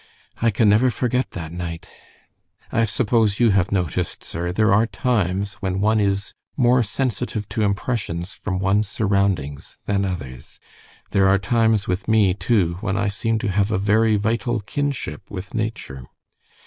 I can never forget that night. I suppose you have noticed, sir, there are times when one is more sensitive to impressions from one's surroundings than others. There are times with me, too, when I seem to have a very vital kinship with nature.